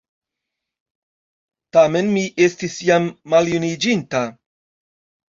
Tamen mi estis jam maljuniĝinta.